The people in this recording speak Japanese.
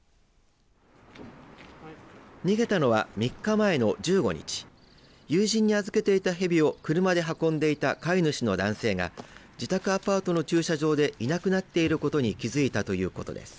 逃げたのは３日前の１５日、友人に預けていたヘビを車で運んでいた飼い主の男性が自宅アパートの駐車場でいなくなっていることに気付いたということです。